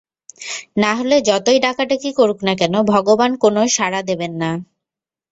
নাহলে যতই ডাকাডাকি করুন না কেন, ভগবান কোনো সাড়া দেবেন না।